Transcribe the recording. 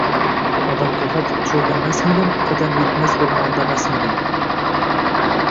Odamqahat choʻldamasdim, qadam yetmas oʻrmondamasdim